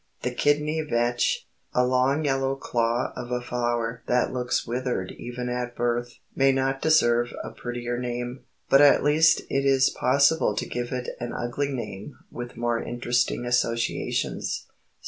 The kidney vetch, a long yellow claw of a flower that looks withered even at birth, may not deserve a prettier name, but at least it is possible to give it an ugly name with more interesting associations.